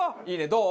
どう？